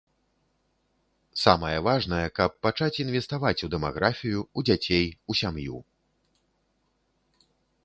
Самае важнае, каб пачаць інвеставаць у дэмаграфію, у дзяцей, у сям'ю.